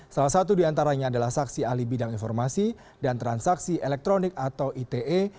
salah satu diantaranya adalah saksi ahli bidang informasi dan transaksi elektronik atau ite